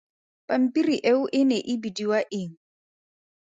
Pampiri eo e ne e bidiwa eng?